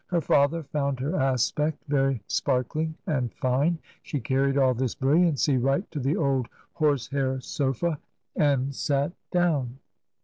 Her Either found her aspect very sparkling and fine ; she carried all this brilliancy right to the old horse hair sofa and sat down.